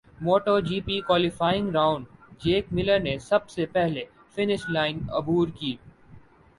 motto G P qualifying round Jack Miller نے سب سے پہلے فنش لائن عبور کی